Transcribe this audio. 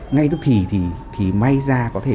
ngay tức thì thì may ra có thể